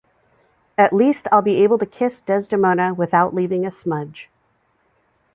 At least I'll be able to kiss Desdemona without leaving a smudge.